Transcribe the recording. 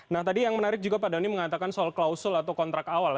nah tadi yang menarik juga pak dhani mengatakan soal klausul atau kontrak awal